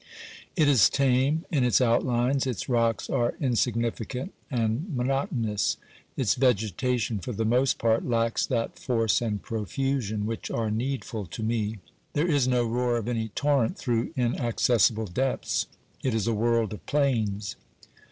It is tame in its outlines, its rocks are insignificant and monotonous ; its vegetation for the most part lacks that force and profusion which are needful to me ; there is no roar of any torrent through inaccessible depths ; it is a world of plains.